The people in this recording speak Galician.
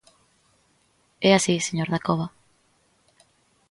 É así, señor Dacova.